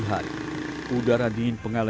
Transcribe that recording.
harus diri sendiri